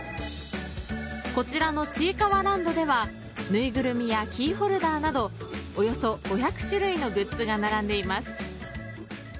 こちらのちいかわらんどではぬいぐるみやキーホルダーなどおよそ５００種類のグッズが並んでいます。